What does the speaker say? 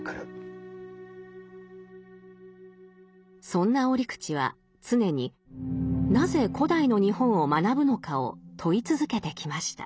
そんな折口は常になぜ古代の日本を学ぶのかを問い続けてきました。